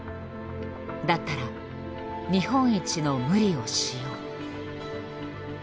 だったら日本一の無理をしよう」。